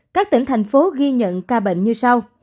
các tỉnh thành phố ghi nhận ca bệnh như sau